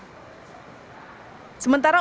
sementara untuk penyelenggaraan